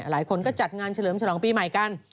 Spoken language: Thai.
หลายคนก็จัดงานเฉลิมฉลองปีใหม่กัน